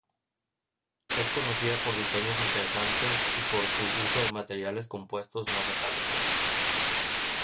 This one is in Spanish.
Es conocida por diseños interesantes y por su uso de materiales compuestos no metálicos.